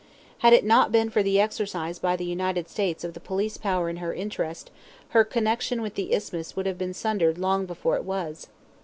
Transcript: Had it not been for the exercise by the United States of the police power in her interest, her connection with the Isthmus would have been sundered long before it was.